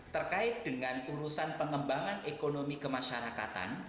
terkait dengan urusan pengembangan ekonomi kemasyarakatan